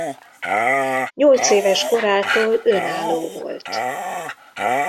Nyolc éves korától önálló volt.